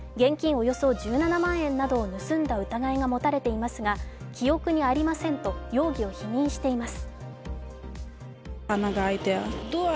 およそ１７万円などを盗んだ疑いが持たれていますが、記憶にありませんと容疑を否認しています。